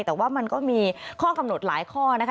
แต่ว่ามันก็มีข้อกำหนดหลายข้อนะคะ